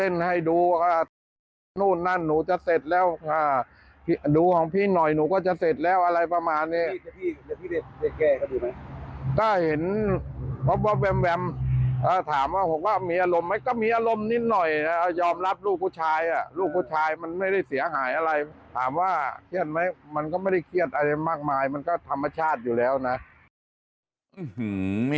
ไม่เครียดอะไรมากมายมันก็ธรรมชาติอยู่แล้วนะ